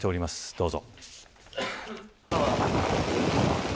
どうぞ。